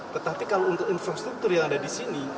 tetapi kalau untuk infrastruktur yang ada di sini